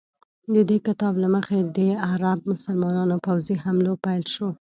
د دې کتاب له مخې د عرب مسلمانانو پوځي حملو پیل شو.